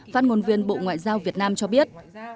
phát ngôn viên bộ ngoại giao việt nam cho biết